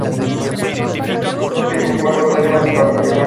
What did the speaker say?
Los últimos cuatro dejan de participar.